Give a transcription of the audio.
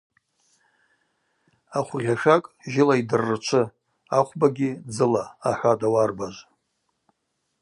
Ахвгъьашакӏ жьыла йдыррчвы, ахвбагьи – дзыла, – ахӏватӏ ауарбажв.